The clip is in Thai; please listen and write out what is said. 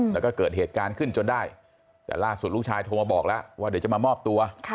แล้วก็เกิดเหตุการณ์ขึ้นจนได้แต่ล่าสุดลูกชายโทรมาบอกแล้วว่าเดี๋ยวจะมามอบตัว